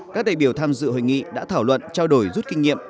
các đại biểu tham dự hội nghị đã thảo luận trao đổi rút kinh nghiệm